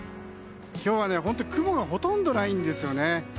今日は雲がほとんどないんですよね。